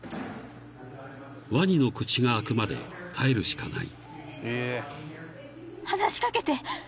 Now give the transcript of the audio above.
［ワニの口が開くまで耐えるしかない］